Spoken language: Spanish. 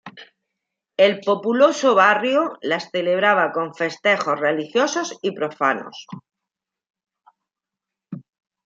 El populoso barrio las celebraba con festejos religiosos y profanos.